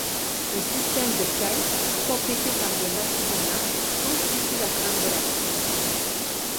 Un système de quêtes, complété par de l'artisanat, constitue la trame de l'action.